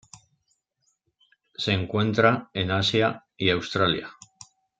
Se encuentra en Asia y Australia.